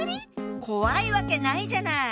怖いわけないじゃない！